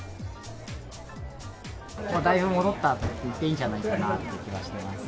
だいぶ戻ったと言っていいんじゃないかなという気がしてます。